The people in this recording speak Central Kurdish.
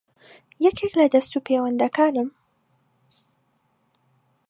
یەکێک لە دەستوپێوەندەکانم